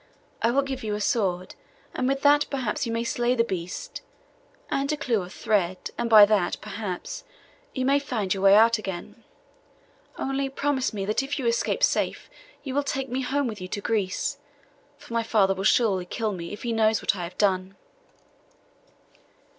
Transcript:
I will give you a sword, and with that perhaps you may slay the beast; and a clue of thread, and by that, perhaps, you may find your way out again. Only promise me that if you escape safe you will take me home with you to Greece; for my father will surely kill me, if he knows what I have done.